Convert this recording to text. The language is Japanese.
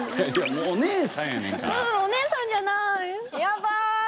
ううんお姉さんじゃない！